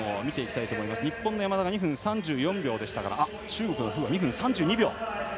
日本の山田、２分３４秒でしたが馮雅竹は２分３２秒。